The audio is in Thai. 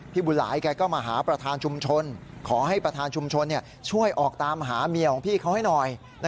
บุญหลายแกก็มาหาประธานชุมชนขอให้ประธานชุมชนช่วยออกตามหาเมียของพี่เขาให้หน่อย